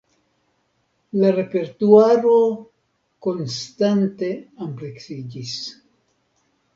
La repertuaro konstante ampleksiĝis.